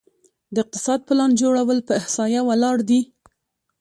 د اقتصاد پلان جوړول په احصایه ولاړ دي؟